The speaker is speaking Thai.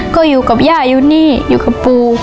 ก็อยู่กับย่าอยู่นี่อยู่กับปู